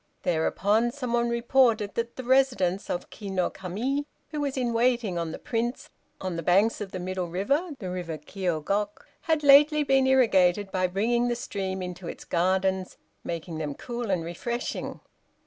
Thereupon some one reported that the residence of Ki no Kami, who was in waiting on the Prince, on the banks of the middle river (the River Kiôgok) had lately been irrigated by bringing the stream into its gardens, making them cool and refreshing.